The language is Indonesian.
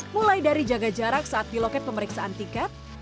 mulai dari jaga jarak saat diloket pemeriksaan tiket